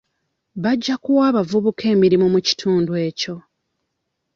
Bajja kuwa abavubuka emirimu mu kitundu ekyo.